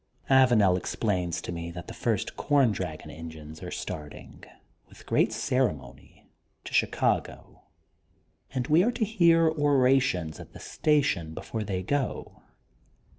Avanel explains to me that the first Com Dragon Engines are start ing, with great ceremony, to Chicago and we are to hear orations at the station before they go.